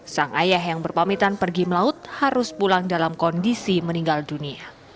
sang ayah yang berpamitan pergi melaut harus pulang dalam kondisi meninggal dunia